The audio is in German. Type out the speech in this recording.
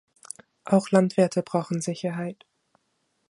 Auch Landwirte brauchen Sicherheit.